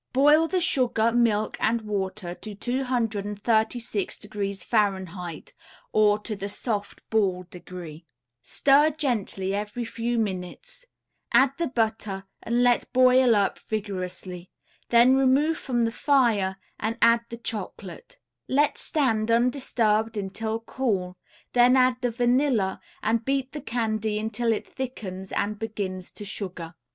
Boil the sugar, milk and water to 236° F., or to the "soft ball" degree; stir gently every few minutes; add the butter and let boil up vigorously, then remove from the fire and add the chocolate; let stand undisturbed until cool, then add the vanilla and beat the candy until it thickens and begins to sugar.